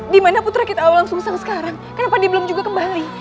di mana putra kita walang sungsang sekarang kenapa dia belum juga kembali